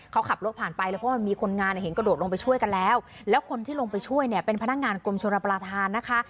เขาขับรถผ่านไปแล้วเพราะมันมีคนงานเห็นกระโดดลงไปช่วยกันแล้วแล้วคนที่ลงไปช่วยเนี่ยเป็นพนักงานกรมชนประธานนะคะ